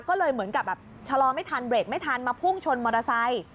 ก็เลยเหมือนกับแบบชะลอไม่ทันเบรกไม่ทันมาพุ่งชนมอเตอร์ไซค์